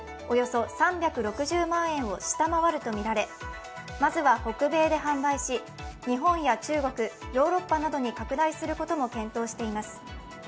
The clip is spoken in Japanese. およそ３６０万ドルを下回るとみられまずは北米で販売し、日本や中国、ヨーロッパなどに拡大することも検討しています。